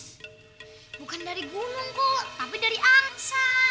bukan dari gulung pol tapi dari angsa